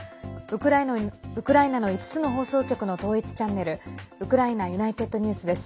ウクライナの５つの放送局の統一チャンネル「ウクライナＵｎｉｔｅｄＮｅｗｓ」です。